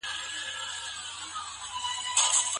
انسان له خپل ژوند څخه محرومېدای سي.